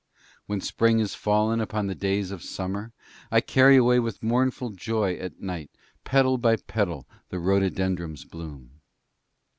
When spring is fallen upon the days of summer, I carry away with mournful joy at night petal by petal the rhododendron's bloom.